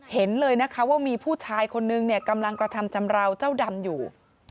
เห็นเลยนะคะว่ามีผู้ชายคนนึงเนี่ยกำลังกระทำชำราวเจ้าดำอยู่